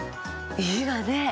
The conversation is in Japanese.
良いわね！